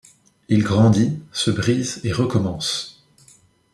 Il grandit, se brise et recommence”.